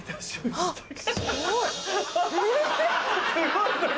すごいえ！